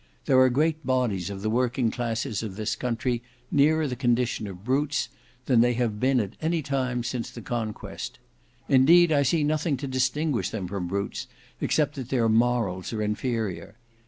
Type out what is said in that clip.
There are great bodies of the working classes of this country nearer the condition of brutes, than they have been at any time since the Conquest. Indeed I see nothing to distinguish them from brutes, except that their morals are inferior.